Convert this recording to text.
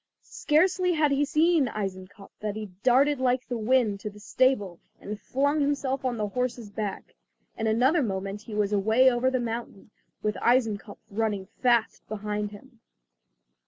Scarcely had he seen Eisenkopf than he darted like the wind to the stable and flung himself on the horse's back. In another moment he was away over the mountain, with Eisenkopf running fast behind him.